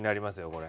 これ。